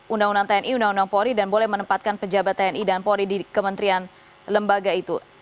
undang undang tni undang undang polri dan boleh menempatkan pejabat tni dan polri di kementerian lembaga itu